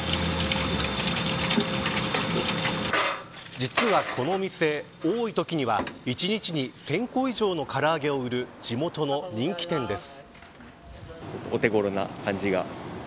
実は、この店多いときには１日に１０００個以上のからあげを売る地元の人気店です。